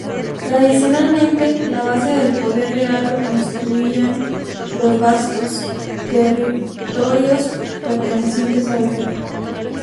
Tradicionalmente, la base del poder real lo constituían los vastos territorios pertenecientes al rey.